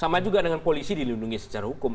sama juga dengan polisi dilindungi secara hukum